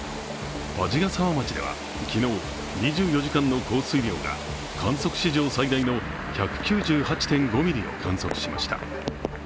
鰺ヶ沢町では昨日、２４時間の降水量が観測史上最大の１９８．５ミリを観測しました。